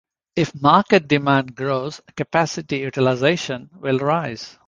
If market demand grows, capacity utilization will rise.